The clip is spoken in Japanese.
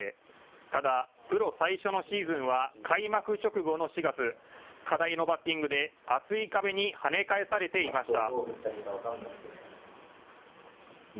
ただプロ最初のシーズンは開幕直後の４月、課題のバッティングで厚い壁に跳ね返されていました。